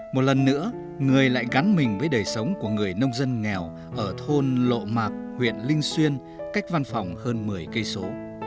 một lần nữa người lại gắn mình với đời sống của người nông dân nghèo ở thôn lộ mạc huyện linh xuyên cách văn phòng hơn một mươi km